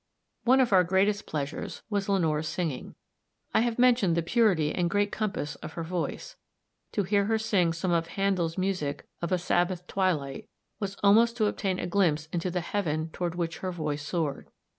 One of our greatest pleasures was in Lenore's singing. I have mentioned the purity and great compass of her voice. To hear her sing some of Handel's music, of a Sabbath twilight, was almost to obtain a glimpse into the heaven toward which her voice soared.